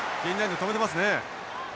止めてますね。